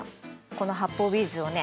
この発泡ビーズをね